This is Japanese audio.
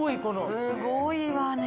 すごいわね。